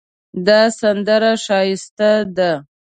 دا سندره ښایسته ده